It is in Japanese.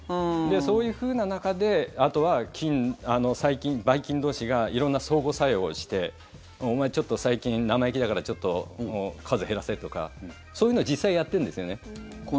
そういうふうな中であとは細菌、ばい菌同士が色んな相互作用してお前ちょっと最近、生意気だからちょっと数減らせとかそういうの実際やってるんですよね。